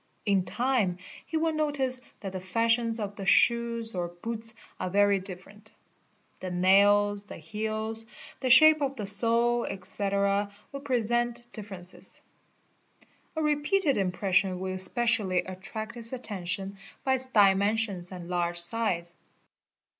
n time he will notice that the fashions of the shoes or boots are very ifferent; the nails, the heels, the shape of the sole, etc., will present differences. A repeated impression will especially attract his attention c. by its dimensions and large size.